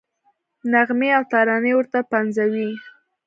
نغمې او ترانې ورته پنځوي.